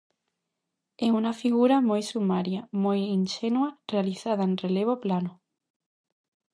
É unha figura moi sumaria, moi inxenua, realizada en relevo plano.